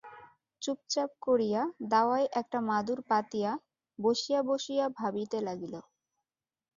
চুপচাপ করিয়া দাওয়ায় একটা মাদুর পাতিয়া বসিয়া বসিয়া ভাবিতে লাগিল।